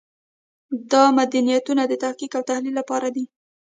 دا میتودونه د تحقیق او تحلیل لپاره دي.